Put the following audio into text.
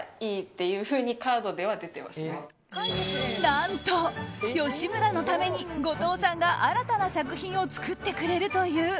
何と吉村のために、後藤さんが新たな作品を作ってくれるという。